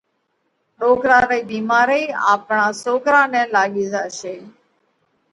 ڏوڪرا رئِي ڀيمارئِي آپڻا سوڪرا نئہ لاڳي زاشي۔